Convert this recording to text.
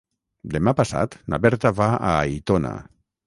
Demà passat na Berta va a Aitona.